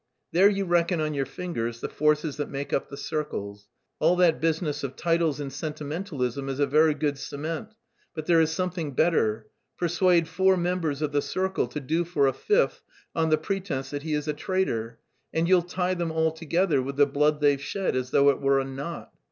There you reckon on your fingers the forces that make up the circles. All that business of titles and sentimentalism is a very good cement, but there is something better; persuade four members of the circle to do for a fifth on the pretence that he is a traitor, and you'll tie them all together with the blood they've shed as though it were a knot.